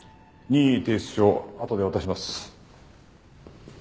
任意提出書をあとで渡します。